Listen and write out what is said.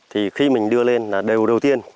thì khi mình đưa lên là điều đầu tiên